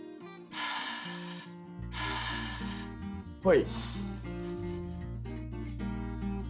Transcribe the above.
はい。